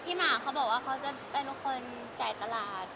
พี่หม่าครับบอกว่าเขาจะเป็นแบบคนจ่ายตลาด